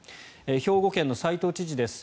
兵庫県の斎藤知事です。